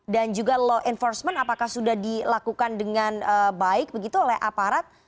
dan juga law enforcement apakah sudah dilakukan dengan baik begitu oleh aparat